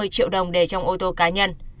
một mươi triệu đồng để trong ô tô cá nhân